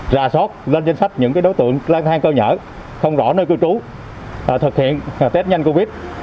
rà sót lên danh sách những đối tượng lan thang cơ nhỏ không rõ nơi cư trú thực hiện test nhanh covid